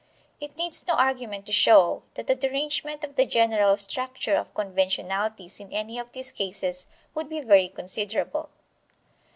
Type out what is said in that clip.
It needs no argument to show that the derangement of the general structure of conventionalities in any of these cases would be very considerable.